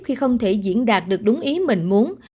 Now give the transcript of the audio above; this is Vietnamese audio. khi không thể diễn đạt được đúng ý mình muốn